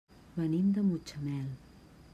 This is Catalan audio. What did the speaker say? Venim de Mutxamel.